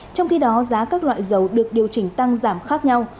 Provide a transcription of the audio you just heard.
trong khi đó giá các loại dầu được điều chỉnh tăng giảm khác nhau